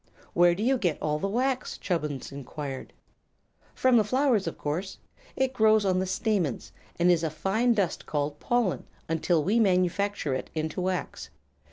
"Where do you get all the wax?" Chubbins enquired. "From the flowers, of course. It grows on the stamens, and is a fine dust called pollen, until we manufacture it into wax.